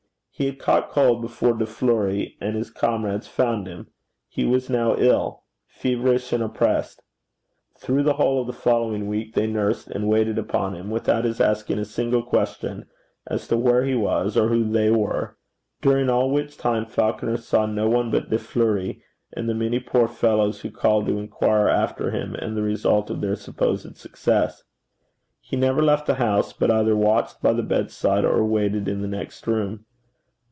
He had caught cold before De Fleuri and his comrades found him. He was now ill feverish and oppressed. Through the whole of the following week they nursed and waited upon him without his asking a single question as to where he was or who they were; during all which time Falconer saw no one but De Fleuri and the many poor fellows who called to inquire after him and the result of their supposed success. He never left the house, but either watched by the bedside, or waited in the next room.